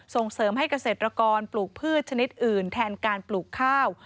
ส่งเสริมให้เกษตรกรปลูกพืชชนิดอื่นแทนการปลูกข้าว